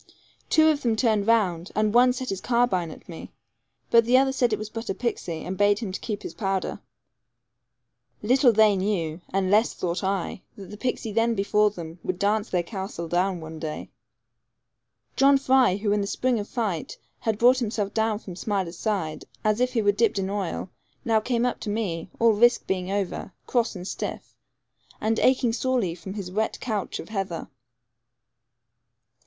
Two of them turned round, and one set his carbine at me, but the other said it was but a pixie, and bade him keep his powder. Little they knew, and less thought I, that the pixie then before them would dance their castle down one day. John Fry, who in the spring of fright had brought himself down from Smiler's side, as if he were dipped in oil, now came up to me, all risk being over, cross, and stiff, and aching sorely from his wet couch of heather.